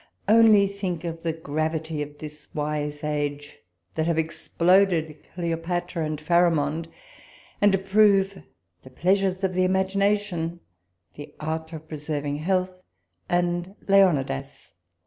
Only think of the gravity of this wise age, that have exploded " Cleopatra and Pharamond," and approve '■ The Pleasures of the Imagination," " The Art of Preserving Health," and " Leonidas !